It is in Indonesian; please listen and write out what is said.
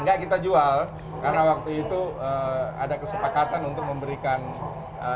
enggak kita jual karena waktu itu ada kesepakatan untuk memberikan